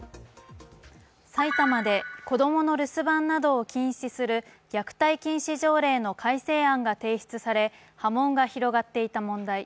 埼玉で子供の留守番などを禁止する虐待禁止条例の改正案が提出され波紋が広がっていた問題。